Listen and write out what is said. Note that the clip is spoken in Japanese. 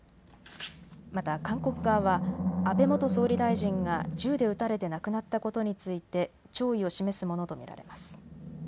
また、韓国側は安倍元総理大臣が銃で撃たれて亡くなったことについて弔意を示すものと見られます。